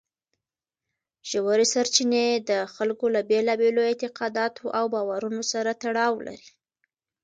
ژورې سرچینې د خلکو له بېلابېلو اعتقاداتو او باورونو سره تړاو لري.